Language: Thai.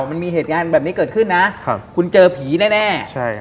มันมีเหตุการณ์แบบนี้เกิดขึ้นนะคุณเจอผีแน่